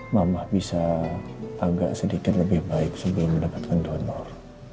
mama bisa agak sedikit lebih baik sebelum mendapatkan donor